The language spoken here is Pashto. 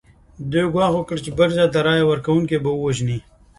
دوی ګواښ وکړ چې بل چا ته رایه ورکونکي به ووژني.